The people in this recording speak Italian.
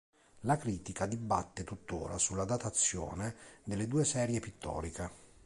La critica dibatte tuttora sulla datazione delle due serie pittoriche.